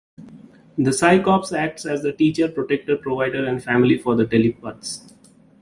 The Psi Corps acts as the teacher, protector, provider, and family for the telepaths.